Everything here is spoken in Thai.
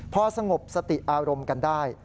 พอสงบสติอารมณ์กันได้